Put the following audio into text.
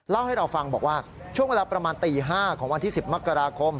เล่าให้เราฟังบอกว่าช่วงเวลาประมาณตี๕ของวันที่๑๐มกราคม